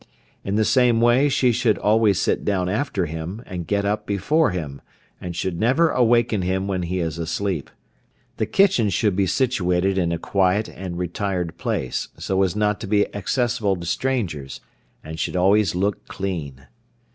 In the same way she should always sit down after him, and get up before him, and should never awaken him when he is asleep. The kitchen should be situated in a quiet and retired place, so as not to be accessible to strangers, and should always look clean.